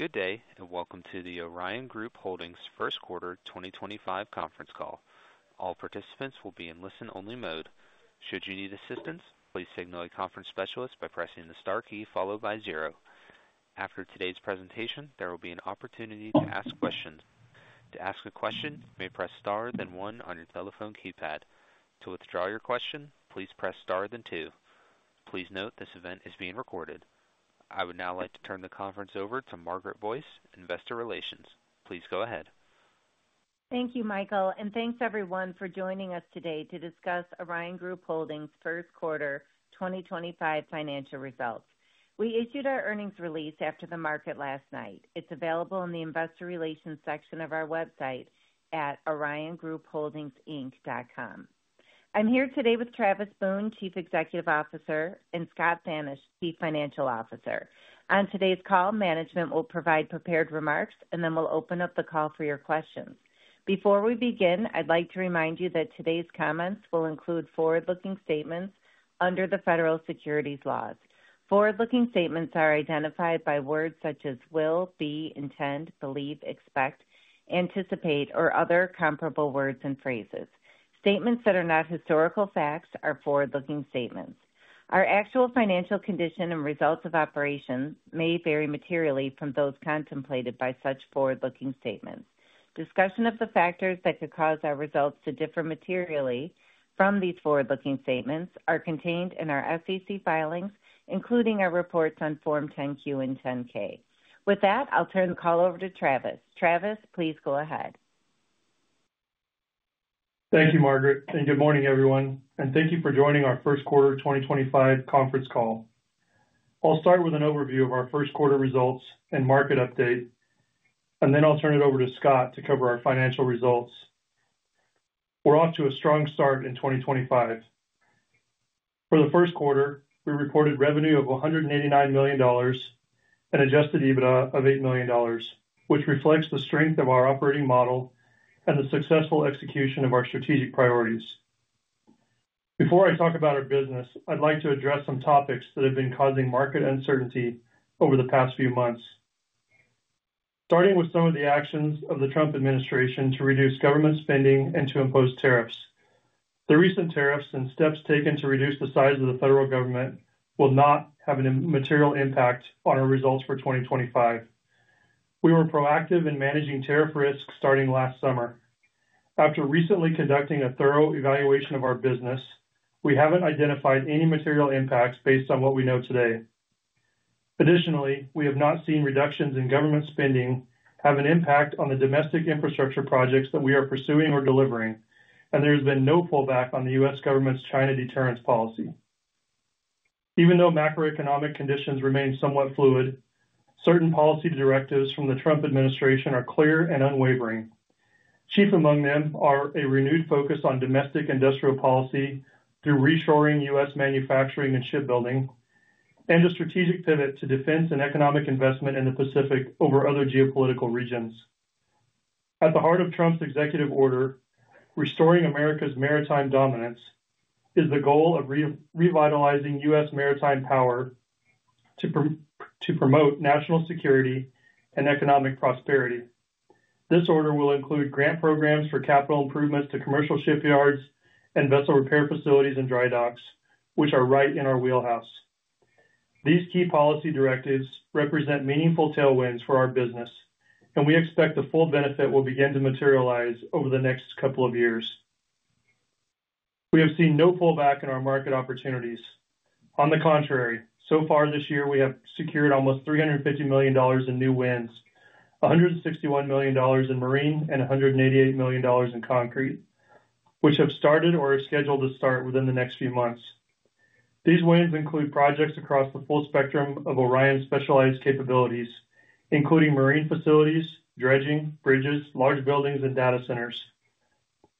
Good day, and welcome to the Orion Group Holdings' First Quarter 2025 Conference Call. All participants will be in listen-only mode. Should you need assistance, please signal a conference specialist by pressing the star key followed by zero. After today's presentation, there will be an opportunity to ask questions. To ask a question, you may press star then one on your telephone keypad. To withdraw your question, please press star then two. Please note this event is being recorded. I would now like to turn the conference over to Margaret Boyce, Investor Relations. Please go ahead. Thank you, Michael, and thanks everyone for joining us today to discuss Orion Group Holdings' First Quarter 2025 Financial Results. We issued our earnings release after the market last night. It's available in the Investor Relations section of our website at oriongroupholdingsinc.com. I'm here today with Travis Boone, Chief Executive Officer, and Scott Thanisch, Chief Financial Officer. On today's call, management will provide prepared remarks, and then we'll open up the call for your questions. Before we begin, I'd like to remind you that today's comments will include forward-looking statements under the federal securities laws. Forward-looking statements are identified by words such as will, be, intend, believe, expect, anticipate, or other comparable words and phrases. Statements that are not historical facts are forward-looking statements. Our actual financial condition and results of operations may vary materially from those contemplated by such forward-looking statements. Discussion of the factors that could cause our results to differ materially from these forward-looking statements are contained in our SEC filings, including our reports on Form 10-Q and 10-K. With that, I'll turn the call over to Travis. Travis, please go ahead. Thank you, Margaret, and good morning, everyone. Thank you for joining our First Quarter 2025 Conference Call. I'll start with an overview of our first quarter results and market update, then I'll turn it over to Scott to cover our financial results. We're off to a strong start in 2025. For the first quarter, we reported revenue of $189 million and adjusted EBITDA of $8 million, which reflects the strength of our operating model and the successful execution of our strategic priorities. Before I talk about our business, I'd like to address some topics that have been causing market uncertainty over the past few months, starting with some of the actions of the Trump administration to reduce government spending and to impose tariffs. The recent tariffs and steps taken to reduce the size of the federal government will not have a material impact on our results for 2025. We were proactive in managing tariff risks starting last summer. After recently conducting a thorough evaluation of our business, we have not identified any material impacts based on what we know today. Additionally, we have not seen reductions in government spending have an impact on the domestic infrastructure projects that we are pursuing or delivering, and there has been no pullback on the U.S. government's China deterrence policy. Even though macroeconomic conditions remain somewhat fluid, certain policy directives from the Trump administration are clear and unwavering. Chief among them are a renewed focus on domestic industrial policy through reshoring U.S. manufacturing and shipbuilding, and a strategic pivot to defense and economic investment in the Pacific over other geopolitical regions. At the heart of Trump's executive order, restoring America's maritime dominance is the goal of revitalizing U.S. maritime power to promote national security and economic prosperity. This order will include grant programs for capital improvements to commercial shipyards and vessel repair facilities and dry docks, which are right in our wheelhouse. These key policy directives represent meaningful tailwinds for our business, and we expect the full benefit will begin to materialize over the next couple of years. We have seen no pullback in our market opportunities. On the contrary, so far this year, we have secured almost $350 million in new wins, $161 million in marine, and $188 million in concrete, which have started or are scheduled to start within the next few months. These wins include projects across the full spectrum of Orion's specialized capabilities, including marine facilities, dredging, bridges, large buildings, and data centers.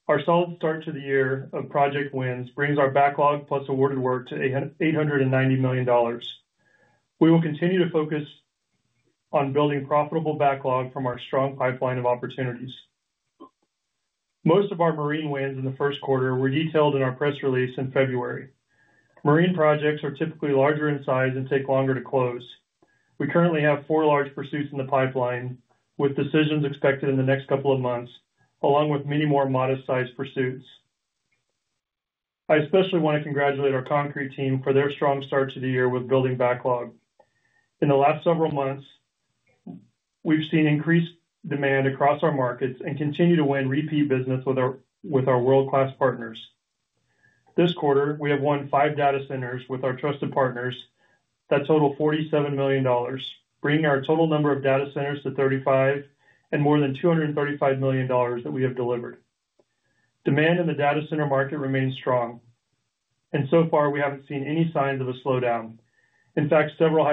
Our solid start to the year of project wins brings our backlog plus awarded work to $890 million. We will continue to focus on building profitable backlog from our strong pipeline of opportunities. Most of our marine wins in the first quarter were detailed in our press release in February. Marine projects are typically larger in size and take longer to close. We currently have four large pursuits in the pipeline, with decisions expected in the next couple of months, along with many more modest-sized pursuits. I especially want to congratulate our concrete team for their strong start to the year with building backlog. In the last several months, we've seen increased demand across our markets and continue to win repeat business with our world-class partners. This quarter, we have won five data centers with our trusted partners that total $47 million, bringing our total number of data centers to 35 and more than $235 million that we have delivered. Demand in the data center market remains strong, and so far, we haven't seen any signs of a slowdown. In fact, several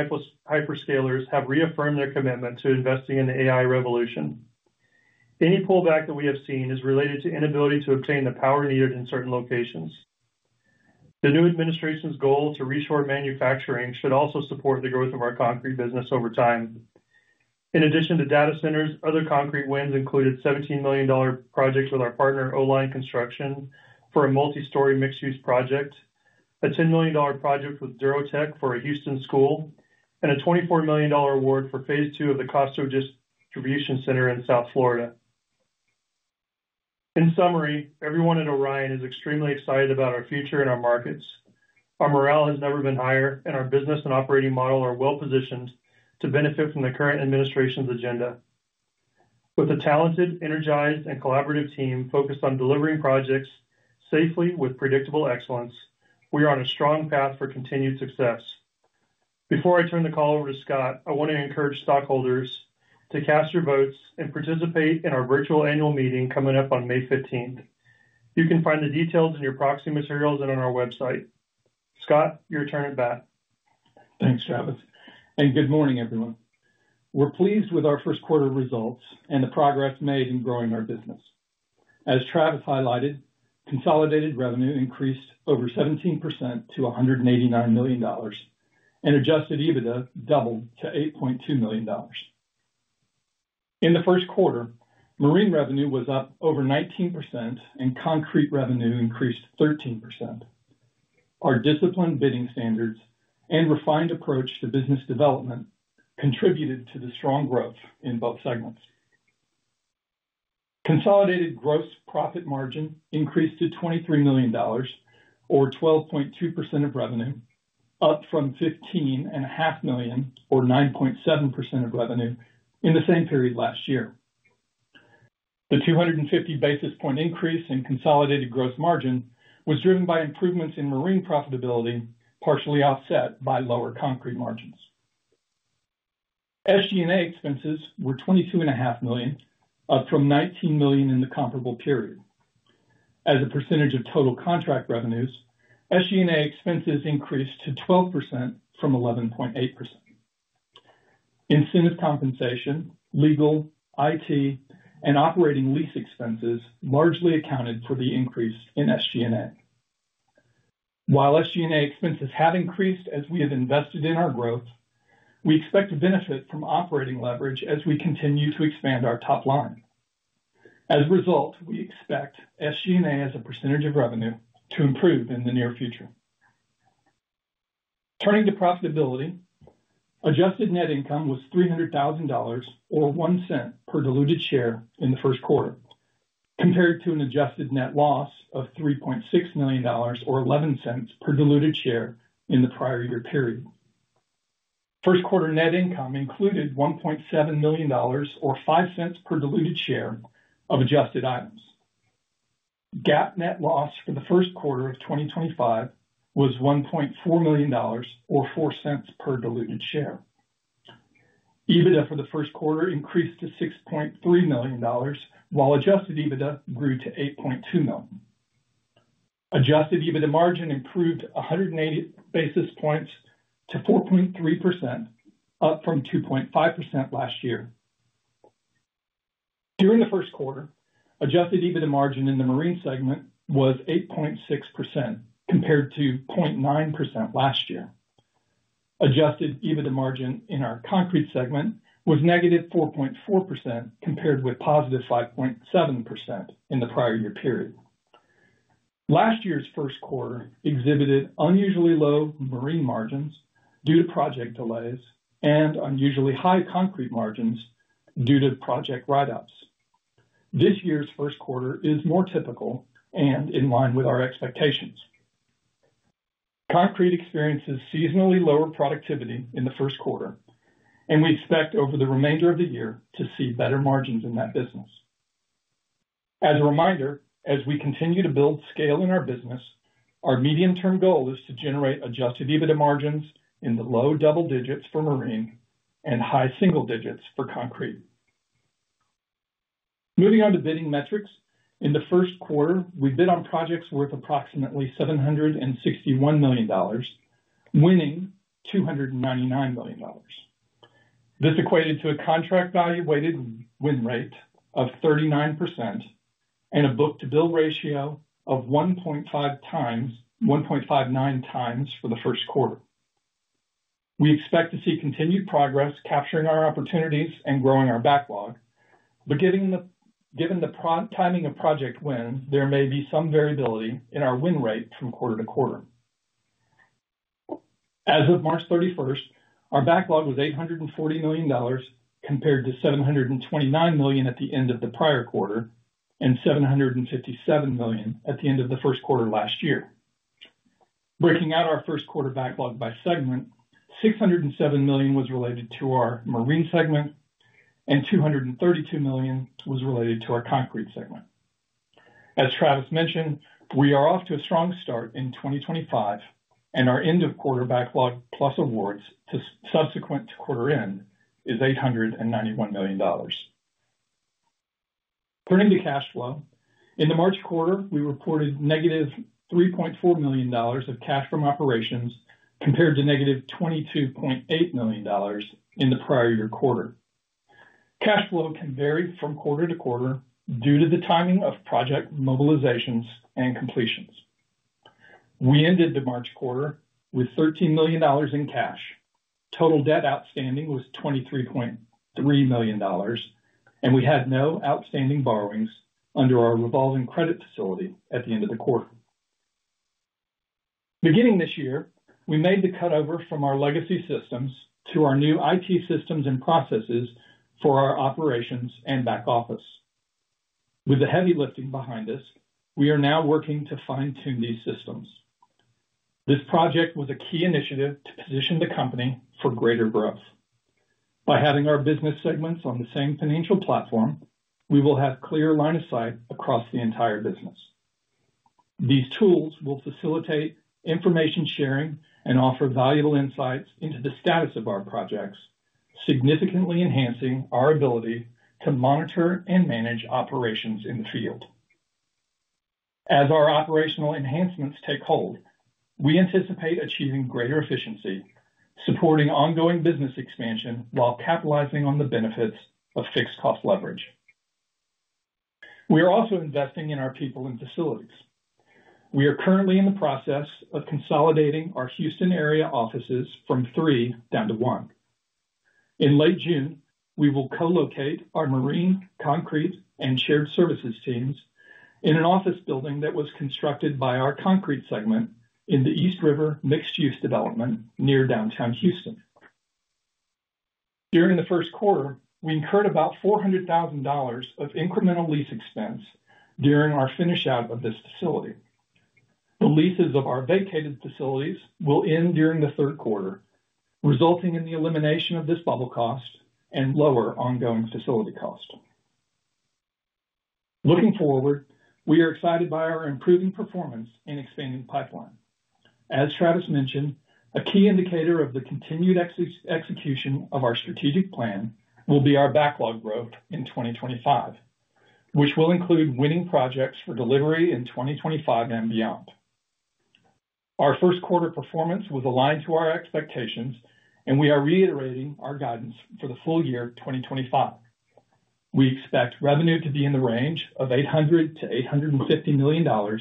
hyperscalers have reaffirmed their commitment to investing in the AI revolution. Any pullback that we have seen is related to the inability to obtain the power needed in certain locations. The new administration's goal to reshore manufacturing should also support the growth of our concrete business over time. In addition to data centers, other concrete wins included a $17 million project with our partner, Oline Construction, for a multi-story mixed-use project, a $10 million project with Durotech for a Houston school, and a $24 million award for phase two of the Costco Distribution Center in South Florida. In summary, everyone at Orion is extremely excited about our future and our markets. Our morale has never been higher, and our business and operating model are well-positioned to benefit from the current administration's agenda. With a talented, energized, and collaborative team focused on delivering projects safely with predictable excellence, we are on a strong path for continued success. Before I turn the call over to Scott, I want to encourage stockholders to cast your votes and participate in our virtual annual meeting coming up on May 15th. You can find the details in your proxy materials and on our website. Scott, your turn at bat. Thanks, Travis. Good morning, everyone. We're pleased with our first quarter results and the progress made in growing our business. As Travis highlighted, consolidated revenue increased over 17% to $189 million, and adjusted EBITDA doubled to $8.2 million. In the first quarter, marine revenue was up over 19%, and concrete revenue increased 13%. Our disciplined bidding standards and refined approach to business development contributed to the strong growth in both segments. Consolidated gross profit margin increased to $23 million, or 12.2% of revenue, up from $15.5 million, or 9.7% of revenue, in the same period last year. The 250 basis point increase in consolidated gross margin was driven by improvements in marine profitability, partially offset by lower concrete margins. SG&A expenses were $22.5 million, up from $19 million in the comparable period. As a percentage of total contract revenues, SG&A expenses increased to 12% from 11.8%. Incentive compensation, legal, IT, and operating lease expenses largely accounted for the increase in SG&A. While SG&A expenses have increased as we have invested in our growth, we expect to benefit from operating leverage as we continue to expand our top line. As a result, we expect SG&A as a percentage of revenue to improve in the near future. Turning to profitability, adjusted net income was $300,000, or $0.01 per diluted share in the first quarter, compared to an adjusted net loss of $3.6 million, or $0.11 per diluted share in the prior year period. First quarter net income included $1.7 million, or $0.05 per diluted share of adjusted items. GAAP net loss for the first quarter of 2025 was $1.4 million, or $0.04 per diluted share. EBITDA for the first quarter increased to $6.3 million, while adjusted EBITDA grew to $8.2 million. Adjusted EBITDA margin improved 180 basis points to 4.3%, up from 2.5% last year. During the first quarter, adjusted EBITDA margin in the marine segment was 8.6%, compared to 0.9% last year. Adjusted EBITDA margin in our concrete segment was -4.4%, compared with +5.7% in the prior year period. Last year's first quarter exhibited unusually low marine margins due to project delays and unusually high concrete margins due to project write-ups. This year's first quarter is more typical and in line with our expectations. Concrete experiences seasonally lower productivity in the first quarter, and we expect over the remainder of the year to see better margins in that business. As a reminder, as we continue to build scale in our business, our medium-term goal is to generate adjusted EBITDA margins in the low double digits for marine and high single digits for concrete. Moving on to bidding metrics, in the first quarter, we bid on projects worth approximately $761 million, winning $299 million. This equated to a contract value-weighted win rate of 39% and a book-to-bill ratio of 1.59x for the first quarter. We expect to see continued progress, capturing our opportunities and growing our backlog, but given the timing of project wins, there may be some variability in our win rate from quarter-to-quarter. As of March 31st, our backlog was $840 million, compared to $729 million at the end of the prior quarter and $757 million at the end of the first quarter last year. Breaking out our first quarter backlog by segment, $607 million was related to our marine segment, and $232 million was related to our concrete segment. As Travis mentioned, we are off to a strong start in 2025, and our end-of-quarter backlog plus awards subsequent to quarter end is $891 million. Turning to cash flow, in the March quarter, we reported $-3.4 million of cash from operations compared to $-22.8 million in the prior year quarter. Cash flow can vary from quarter-to-quarter due to the timing of project mobilizations and completions. We ended the March quarter with $13 million in cash. Total debt outstanding was $23.3 million, and we had no outstanding borrowings under our revolving credit facility at the end of the quarter. Beginning this year, we made the cutover from our legacy systems to our new IT systems and processes for our operations and back office. With the heavy lifting behind us, we are now working to fine-tune these systems. This project was a key initiative to position the company for greater growth. By having our business segments on the same financial platform, we will have clear line of sight across the entire business. These tools will facilitate information sharing and offer valuable insights into the status of our projects, significantly enhancing our ability to monitor and manage operations in the field. As our operational enhancements take hold, we anticipate achieving greater efficiency, supporting ongoing business expansion while capitalizing on the benefits of fixed cost leverage. We are also investing in our people and facilities. We are currently in the process of consolidating our Houston area offices from three down to one. In late June, we will co-locate our marine, concrete, and shared services teams in an office building that was constructed by our concrete segment in the East River mixed-use development near downtown Houston. During the first quarter, we incurred about $400,000 of incremental lease expense during our finish out of this facility. The leases of our vacated facilities will end during the third quarter, resulting in the elimination of this bubble cost and lower ongoing facility cost. Looking forward, we are excited by our improving performance in expanding pipeline. As Travis mentioned, a key indicator of the continued execution of our strategic plan will be our backlog growth in 2025, which will include winning projects for delivery in 2025 and beyond. Our first quarter performance was aligned to our expectations, and we are reiterating our guidance for the full year 2025. We expect revenue to be in the range of $800-$850 million,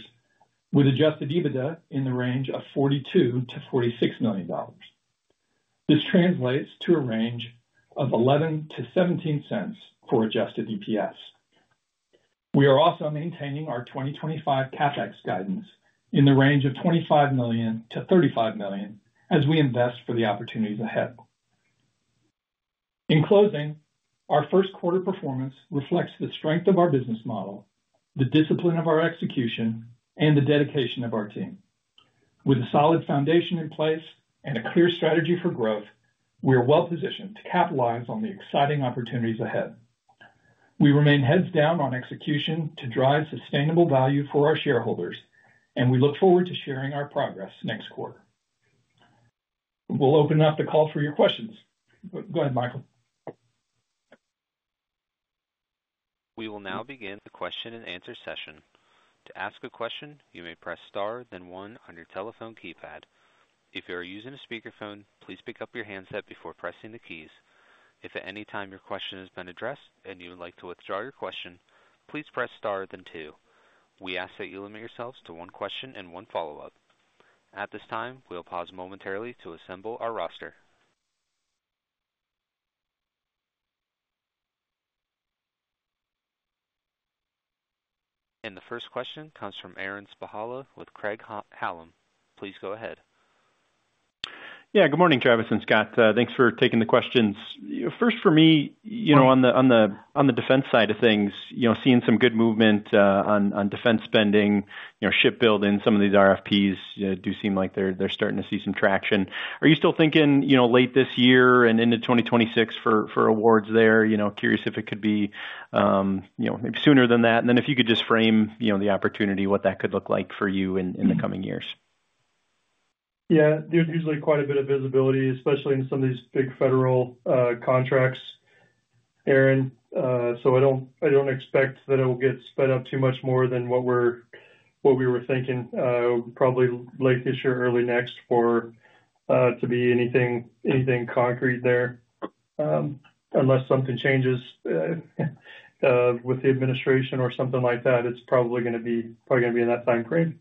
with adjusted EBITDA in the range of $42-$46 million. This translates to a range of $0.11-$0.17 for adjusted EPS. We are also maintaining our 2025 CapEx guidance in the range of $25 million-$35 million as we invest for the opportunities ahead. In closing, our first quarter performance reflects the strength of our business model, the discipline of our execution, and the dedication of our team. With a solid foundation in place and a clear strategy for growth, we are well-positioned to capitalize on the exciting opportunities ahead. We remain heads down on execution to drive sustainable value for our shareholders, and we look forward to sharing our progress next quarter. We'll open up the call for your questions. Go ahead, Michael. We will now begin the question-and-answer session. To ask a question, you may press star, then one on your telephone keypad. If you are using a speakerphone, please pick up your handset before pressing the keys. If at any time your question has been addressed and you would like to withdraw your question, please press star, then two. We ask that you limit yourselves to one question and one follow-up. At this time, we will pause momentarily to assemble our roster. The first question comes from Aaron Spychalla with Craig-Hallum. Please go ahead. Yeah, good morning, Travis and Scott. Thanks for taking the questions. First, for me, on the defense side of things, seeing some good movement on defense spending, shipbuilding, some of these RFPs do seem like they're starting to see some traction. Are you still thinking late this year and into 2026 for awards there? Curious if it could be maybe sooner than that. If you could just frame the opportunity, what that could look like for you in the coming years? Yeah, there's usually quite a bit of visibility, especially in some of these big federal contracts, Aaron. I don't expect that it will get sped up too much more than what we were thinking. Probably late this year, early next for it to be anything concrete there. Unless something changes with the administration or something like that, it's probably going to be in that time frame.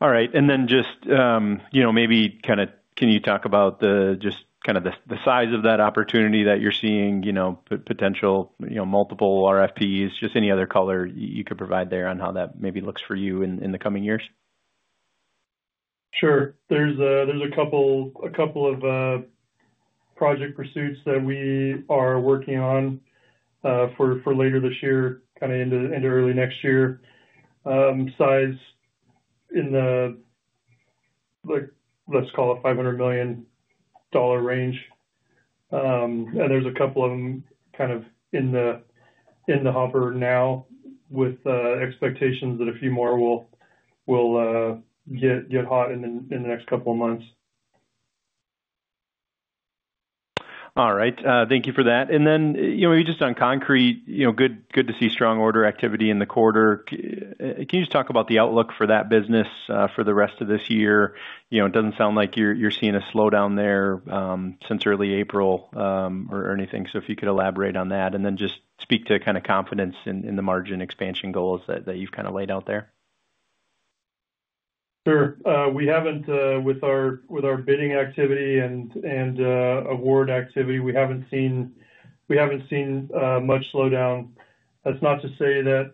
All right. Maybe can you talk about just kind of the size of that opportunity that you're seeing, potential multiple RFPs, just any other color you could provide there on how that maybe looks for you in the coming years? Sure. There's a couple of project pursuits that we are working on for later this year, kind of into early next year. Size in the, let's call it, $500 million range. There's a couple of them kind of in the hopper now with expectations that a few more will get hot in the next couple of months. All right. Thank you for that. Maybe just on concrete, good to see strong order activity in the quarter. Can you just talk about the outlook for that business for the rest of this year? It does not sound like you are seeing a slowdown there since early April or anything. If you could elaborate on that and then just speak to kind of confidence in the margin expansion goals that you have kind of laid out there. Sure. With our bidding activity and award activity, we have not seen much slowdown. That is not to say that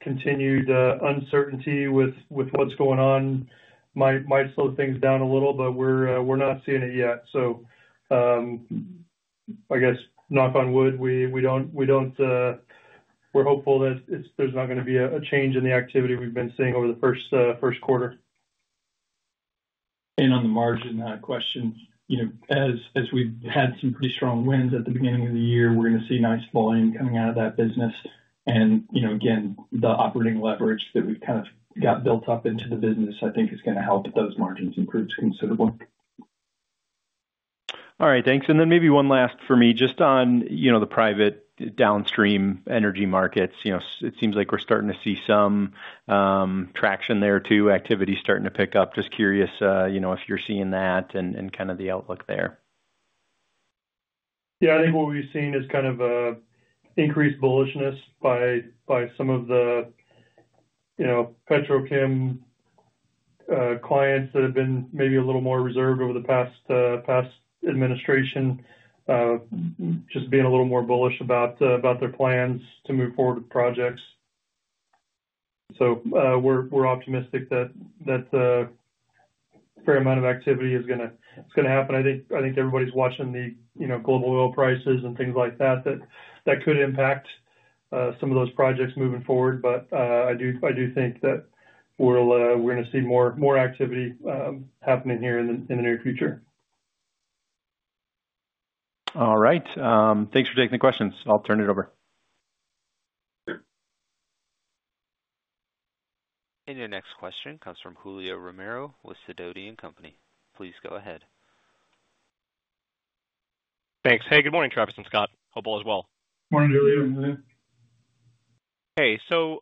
continued uncertainty with what is going on might slow things down a little, but we are not seeing it yet. I guess, knock on wood, we are hopeful that there is not going to be a change in the activity we have been seeing over the first quarter. On the margin questions, as we've had some pretty strong wins at the beginning of the year, we're going to see nice volume coming out of that business. Again, the operating leverage that we've kind of got built up into the business, I think, is going to help those margins improve considerably. All right. Thanks. Maybe one last for me, just on the private downstream energy markets. It seems like we're starting to see some traction there too, activity starting to pick up. Just curious if you're seeing that and kind of the outlook there. Yeah, I think what we've seen is kind of increased bullishness by some of the Petrochem clients that have been maybe a little more reserved over the past administration, just being a little more bullish about their plans to move forward with projects. We are optimistic that a fair amount of activity is going to happen. I think everybody's watching the global oil prices and things like that, that could impact some of those projects moving forward. I do think that we're going to see more activity happening here in the near future. All right. Thanks for taking the questions. I'll turn it over. Your next question comes from Julio Romero with Sidoti & Company. Please go ahead. Thanks. Hey, good morning, Travis and Scott. Hope all is well. Morning, Julio. I'm with you.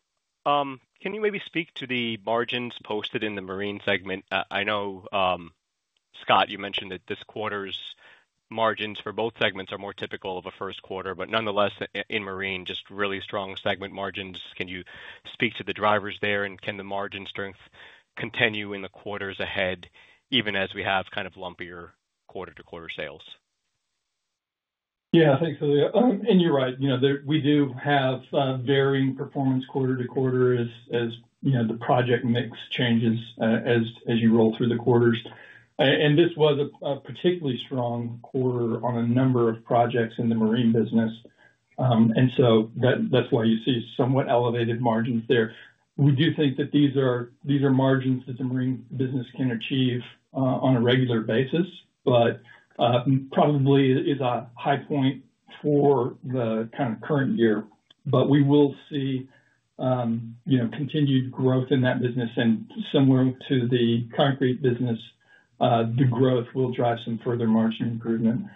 Hey. Can you maybe speak to the margins posted in the marine segment? I know, Scott, you mentioned that this quarter's margins for both segments are more typical of a first quarter, but nonetheless, in marine, just really strong segment margins. Can you speak to the drivers there, and can the margin strength continue in the quarters ahead, even as we have kind of lumpier quarter-to-quarter sales? Yeah, thanks, Julio. You're right. We do have varying performance quarter-to-quarter as the project mix changes as you roll through the quarters. This was a particularly strong quarter on a number of projects in the marine business. That is why you see somewhat elevated margins there. We do think that these are margins that the marine business can achieve on a regular basis, but it probably is a high point for the kind of current year. We will see continued growth in that business. Similar to the concrete business, the growth will drive some further margin improvement.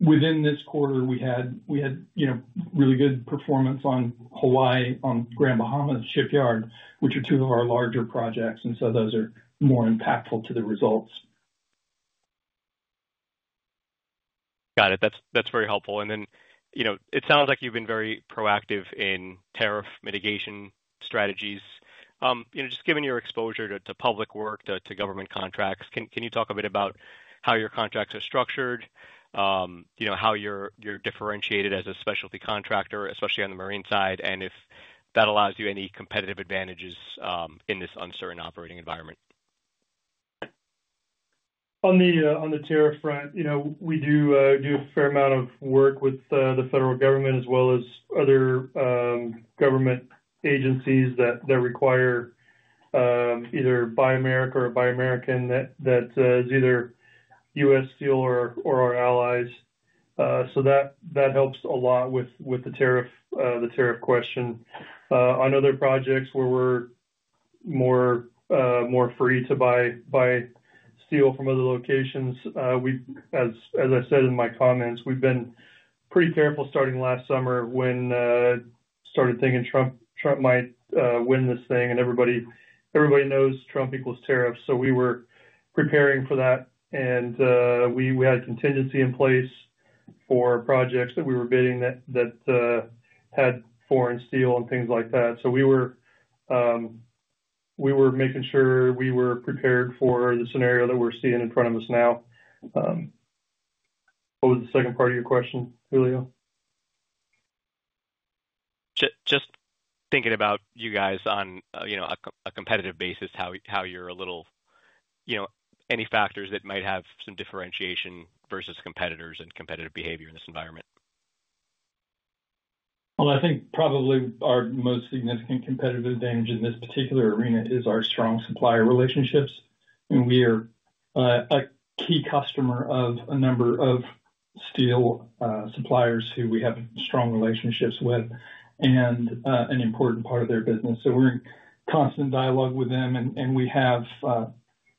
Within this quarter, we had really good performance on Hawaii, on Grand Bahamas Shipyard, which are two of our larger projects. Those are more impactful to the results. Got it. That's very helpful. It sounds like you've been very proactive in tariff mitigation strategies. Just given your exposure to public work, to government contracts, can you talk a bit about how your contracts are structured, how you're differentiated as a specialty contractor, especially on the marine side, and if that allows you any competitive advantages in this uncertain operating environment? On the tariff front, we do a fair amount of work with the federal government as well as other government agencies that require either Buy America or Buy American that is either U.S. Steel or our allies. That helps a lot with the tariff question. On other projects where we're more free to buy steel from other locations, as I said in my comments, we've been pretty careful starting last summer when we started thinking Trump might win this thing. Everybody knows Trump equals tariffs. We were preparing for that. We had contingency in place for projects that we were bidding that had foreign steel and things like that. We were making sure we were prepared for the scenario that we're seeing in front of us now. What was the second part of your question, Julio? Just thinking about you guys on a competitive basis, how you're a little any factors that might have some differentiation versus competitors and competitive behavior in this environment. I think probably our most significant competitive advantage in this particular arena is our strong supplier relationships. We are a key customer of a number of steel suppliers who we have strong relationships with and an important part of their business. We are in constant dialogue with them. We have,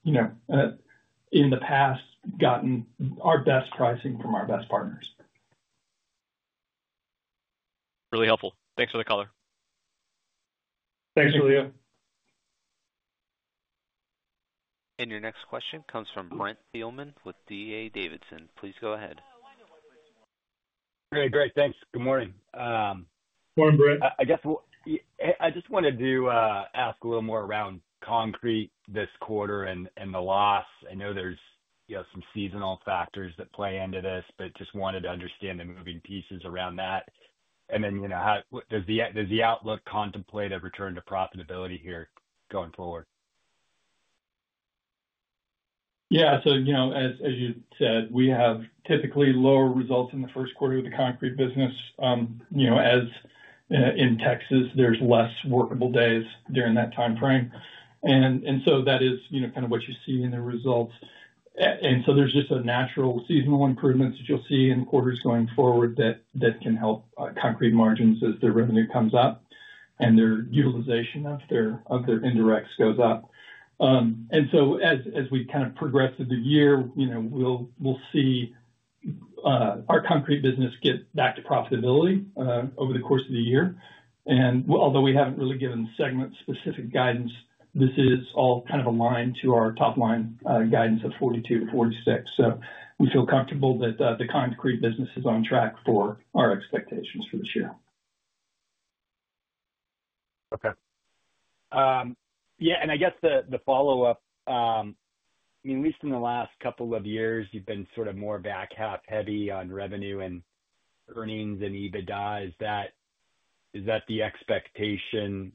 in the past, gotten our best pricing from our best partners. Really helpful. Thanks for the color. Thanks, Julio. Your next question comes from Brent Thielman with D.A. Davidson. Please go ahead. Great. Thanks. Good morning. Morning, Brent. I guess I just wanted to ask a little more around concrete this quarter and the loss. I know there are some seasonal factors that play into this, but just wanted to understand the moving pieces around that. Does the outlook contemplate a return to profitability here going forward? Yeah. As you said, we have typically lower results in the first quarter of the concrete business. As in Texas, there's less workable days during that time frame. That is kind of what you see in the results. There is just a natural seasonal improvement that you'll see in quarters going forward that can help concrete margins as their revenue comes up and their utilization of their indirects goes up. As we kind of progress through the year, we'll see our concrete business get back to profitability over the course of the year. Although we haven't really given segment-specific guidance, this is all kind of aligned to our top-line guidance of $42 million-$46 million. We feel comfortable that the concrete business is on track for our expectations for this year. Okay. Yeah. I guess the follow-up, I mean, at least in the last couple of years, you've been sort of more back half heavy on revenue and earnings and EBITDA. Is that the expectation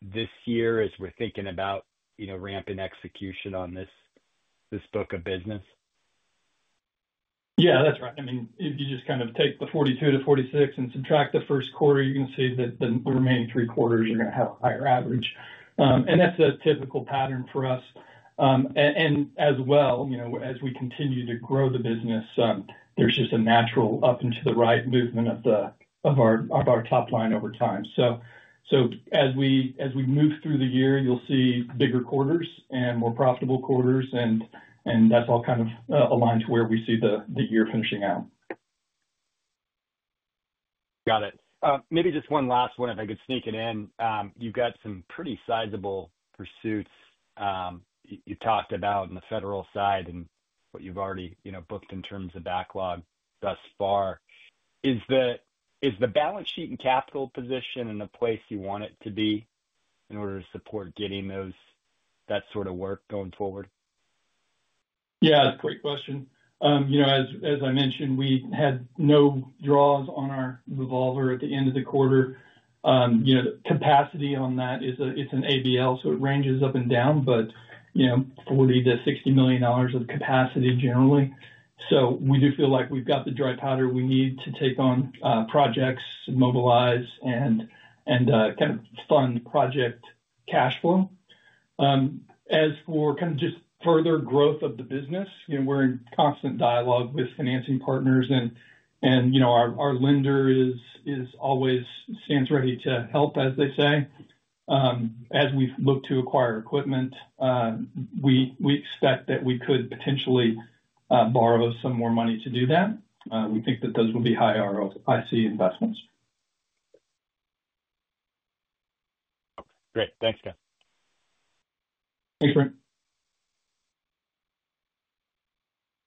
this year as we're thinking about ramping execution on this book of business? Yeah, that's right. I mean, if you just kind of take the $42-$46 million and subtract the first quarter, you're going to see that the remaining three quarters are going to have a higher average. That is a typical pattern for us. As we continue to grow the business, there's just a natural up and to the right movement of our top line over time. As we move through the year, you'll see bigger quarters and more profitable quarters. That is all kind of aligned to where we see the year finishing out. Got it. Maybe just one last one, if I could sneak it in. You've got some pretty sizable pursuits you talked about on the federal side and what you've already booked in terms of backlog thus far. Is the balance sheet and capital position in a place you want it to be in order to support getting that sort of work going forward? Yeah, that's a great question. As I mentioned, we had no draws on our revolver at the end of the quarter. Capacity on that, it's an ABL, so it ranges up and down, but $40 million-$60 million of capacity generally. We do feel like we've got the dry powder we need to take on projects, mobilize, and kind of fund project cash flow. As for kind of just further growth of the business, we're in constant dialogue with financing partners. Our lender stands ready to help, as they say. As we look to acquire equipment, we expect that we could potentially borrow some more money to do that. We think that those will be high ROIC investments. Okay. Great. Thanks, guys. Thanks, Brent.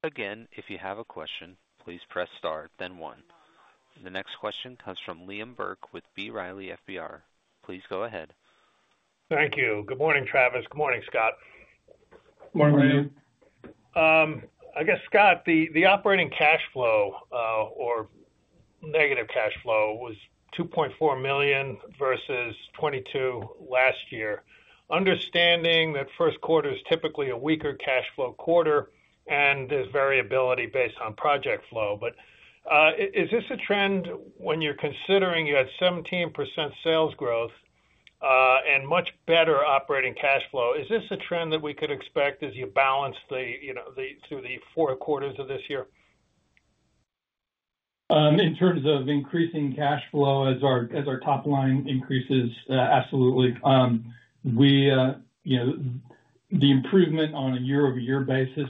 Again, if you have a question, please press Star, then one. The next question comes from Liam Burke with B. Riley FBR. Please go ahead. Thank you. Good morning, Travis. Good morning, Scott. Morning, Liam. I guess, Scott, the operating cash flow or negative cash flow was $2.4 million versus $22 million last year, understanding that first quarter is typically a weaker cash flow quarter and there's variability based on project flow. Is this a trend when you're considering you had 17% sales growth and much better operating cash flow? Is this a trend that we could expect as you balance through the four quarters of this year? In terms of increasing cash flow as our top line increases, absolutely. The improvement on a year-over-year basis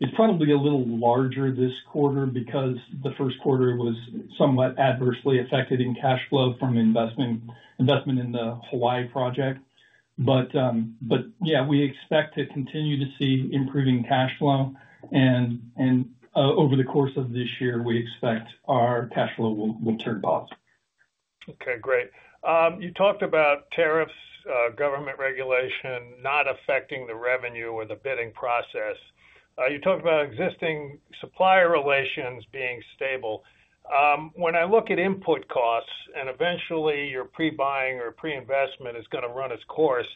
is probably a little larger this quarter because the first quarter was somewhat adversely affected in cash flow from investment in the Hawaii project. Yeah, we expect to continue to see improving cash flow. Over the course of this year, we expect our cash flow will turn positive. Okay. Great. You talked about tariffs, government regulation not affecting the revenue or the bidding process. You talked about existing supplier relations being stable. When I look at input costs and eventually your pre-buying or pre-investment is going to run its course,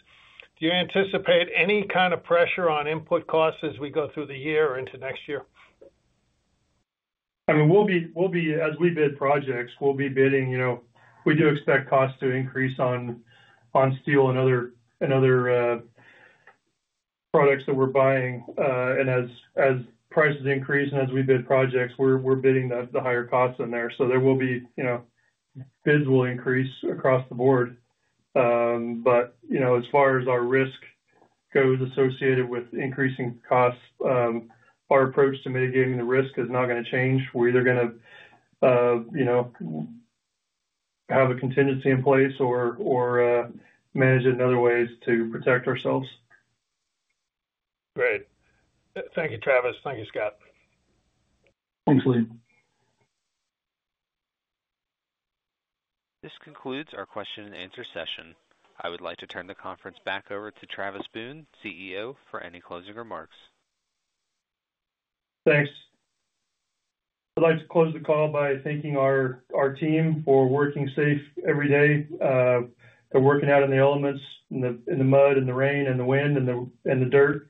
do you anticipate any kind of pressure on input costs as we go through the year or into next year? I mean, as we bid projects, we'll be bidding. We do expect costs to increase on steel and other products that we're buying. As prices increase and as we bid projects, we're bidding the higher costs in there. There will be bids will increase across the board. As far as our risk goes associated with increasing costs, our approach to mitigating the risk is not going to change. We're either going to have a contingency in place or manage it in other ways to protect ourselves. Great. Thank you, Travis. Thank you, Scott. Thanks, Liam. This concludes our question-and-answer session. I would like to turn the conference back over to Travis Boone, CEO, for any closing remarks. Thanks. I'd like to close the call by thanking our team for working safe every day and working out in the elements in the mud and the rain and the wind and the dirt.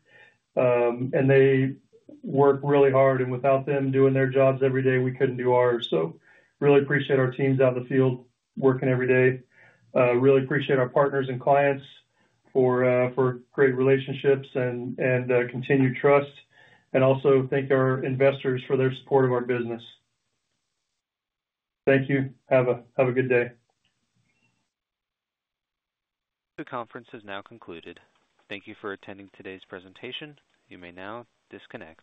They work really hard. Without them doing their jobs every day, we couldn't do ours. I really appreciate our teams out in the field working every day. I really appreciate our partners and clients for great relationships and continued trust. I also thank our investors for their support of our business. Thank you. Have a good day. The conference has now concluded. Thank you for attending today's presentation. You may now disconnect.